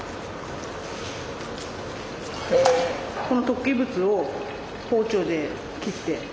この突起物を包丁で切って。